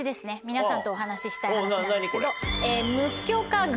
皆さんとお話ししたい話なんですけど。